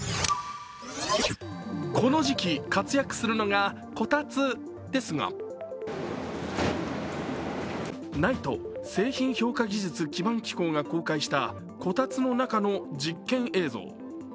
この時期、活躍するのがこたつですがＮＩＴＥ＝製品評価技術基盤機構が公開したこたつの中の実験映像。